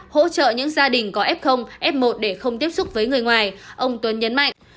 hỗ trợ những gia đình có f f một để không tiếp xúc với người ngoài ông tuấn nhấn mạnh